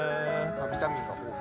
ビタミンが豊富？